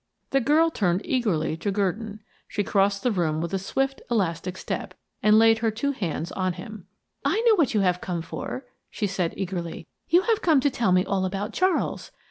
The girl turned eagerly to Gurdon; she crossed the room with a swift, elastic step, and laid her two hands on him. "I know what you have come for," she said, eagerly. "You have come to tell me all about Charles.